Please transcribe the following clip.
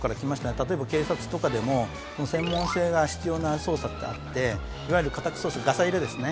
例えば警察とかでも専門性が必要な捜査ってあっていわゆる家宅捜索ガサ入れですね。